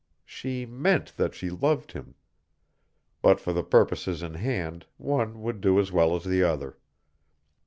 She meant that she loved him, but for the purposes in hand one would do as well as the other.